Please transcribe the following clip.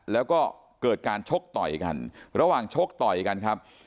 แล้วก็เกิดการชกต่อยกันระหว่างชกต่อยกันครับ